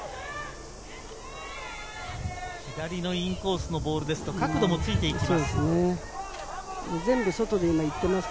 左のインコースのボールだと角度もついていきます。